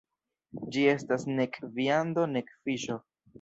Ĝi estas nek viando nek fiŝo.